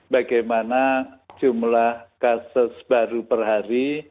bagaimana jumlah kasus baru per hari